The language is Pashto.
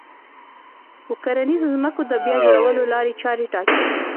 و کرنيزو ځمکو د بيا جوړولو لارې چارې ټاکي